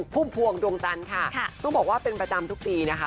พุ่มพวงดวงจันทร์ค่ะต้องบอกว่าเป็นประจำทุกปีนะคะ